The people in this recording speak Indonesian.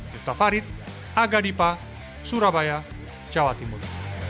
yufta farid aga dipa surabaya jawa timur